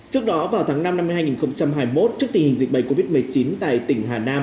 trước đó vào tháng năm năm hai nghìn hai mươi một trước tình hình dịch bệnh covid một mươi chín tại tỉnh hà nam